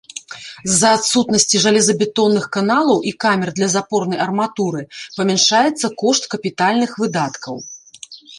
З-за адсутнасці жалезабетонных каналаў і камер для запорнай арматуры памяншаецца кошт капітальных выдаткаў.